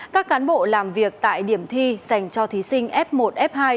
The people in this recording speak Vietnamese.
các cán bộ làm việc tại điểm thi dành cho thí sinh f một f hai